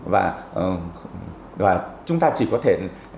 và chúng ta chỉ có thể